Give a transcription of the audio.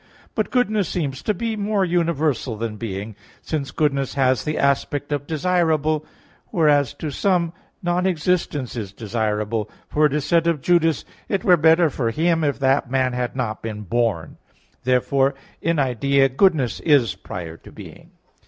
But goodness seems to be more universal than being, since goodness has the aspect of desirable; whereas to some non existence is desirable; for it is said of Judas: "It were better for him, if that man had not been born" (Matt. 26:24). Therefore in idea goodness is prior to being.